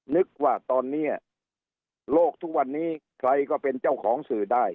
นึกว่าตอนนี้โลกทุกวันนี้ใครก็เป็นเจ้าของสื่อได้